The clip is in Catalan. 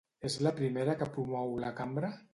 És la primera que promou la Cambra?